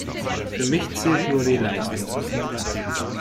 Für mich zählt nur die Leistung.